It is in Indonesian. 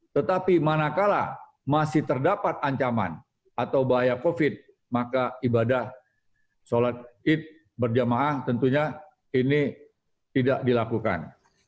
tetapi manakala masih terdapat ancaman atau bahaya covid sembilan belas maka ibadah sholat id berjamaah tentunya ini tidak dilakukan